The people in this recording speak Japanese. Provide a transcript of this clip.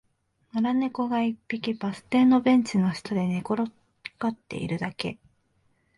野良猫が一匹、バス停のベンチの下で寝転がっているだけ